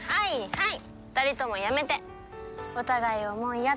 はい。